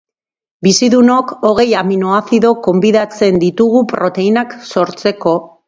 Bizidunok hogei aminoazido konbinatzen ditugu proteinak sortzeko.